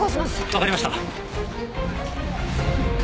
分かりました。